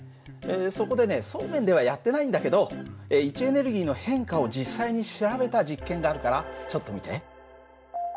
そこでねそうめんではやってないんだけど位置エネルギーの変化を実際に調べた実験があるからちょっと見て。